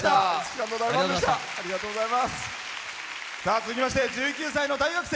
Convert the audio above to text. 続きまして１９歳の大学生。